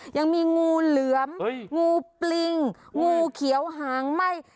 ยังมีงูเหลือมงูปลิงงูเขียวหางไหม้